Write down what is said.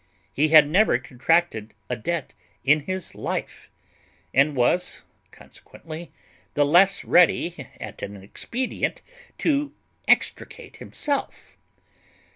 He had never contracted a debt in his life, and was consequently the less ready at an expedient to extricate himself.